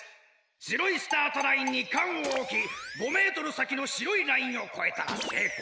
しろいスタートラインにかんをおき５メートルさきのしろいラインをこえたらせいこう。